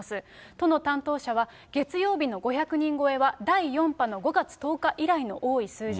都の担当者は月曜日の５００人超えは第４波の５月１０日以来の多い数字。